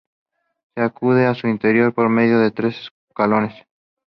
Se accede a su interior por medio de tres escalones.